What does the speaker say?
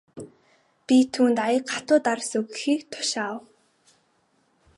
Би түүнд аяга хатуу дарс өгөхийг тушаав.